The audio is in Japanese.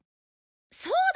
そうだ！